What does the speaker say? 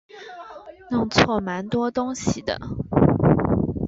弄错蛮多东西的